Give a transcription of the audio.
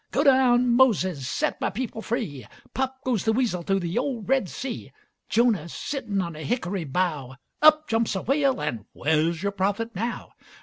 Go down Moses, set my people free; Pop goes the weasel thu' the old Red Sea! Jonah sittin' on a hickory bough, Up jumps a whale an' where's yore prophet now?